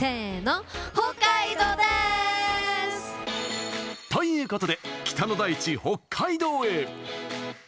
北海道です！ということで北の大地・北海道へ！